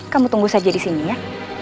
kamu tunggu saja di sini ya